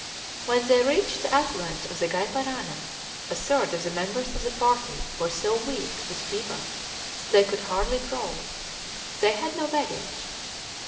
When they reached the affluents of the Gy Parana a third of the members of the party were so weak with fever that they could hardly crawl. They had no baggage.